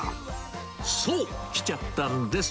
そう、来ちゃったんです。